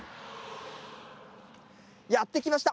やって来ました。